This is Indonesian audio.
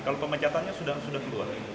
kalau pemecatannya sudah keluar